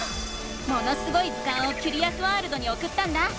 「ものすごい図鑑」をキュリアスワールドにおくったんだ。